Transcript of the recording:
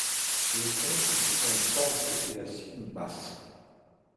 Le tronc est souvent tordu et la cime basse.